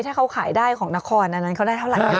ถ้าเขาขายได้ของนครอันนั้นเขาได้เท่าไหร่